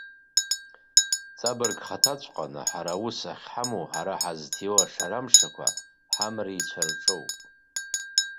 Ҵабыргыхаҭаҵәҟьан ҳара аус ахьҳамоу ҳара ҳазҭиуа ҳшарамшақәа, ҳамрицәа рҿоуп.